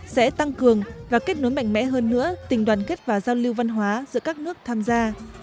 sẽ tăng cường và kết nối mạnh mẽ hơn nữa tình đoàn kết và giao lưu văn hóa giữa các nước tham gia